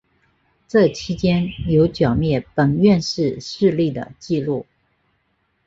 这期间有剿灭本愿寺势力的纪录。